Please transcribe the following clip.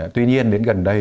tuy nhiên đến gần đây